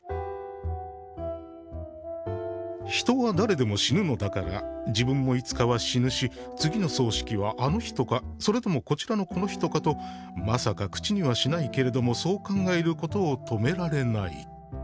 「人は誰でも死ぬのだから自分もいつかは死ぬし、次の葬式はあの人か、それともこちらのこの人かと、まさか口にはしないけれども、そう考えることをとめられない」。